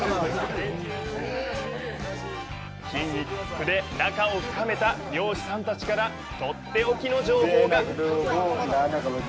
筋肉で仲を深めた漁師さんたちからとっておきの情報が。